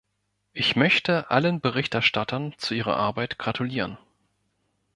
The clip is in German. Ich möchte allen Berichterstattern zu ihrer Arbeit gratulieren.